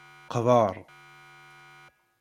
Qbeṛ.